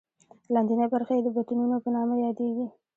لاندینۍ برخې یې د بطنونو په نامه یادېږي.